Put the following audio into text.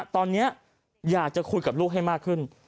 ตอนนี้อยากจะคุยกับลูกให้มากขึ้น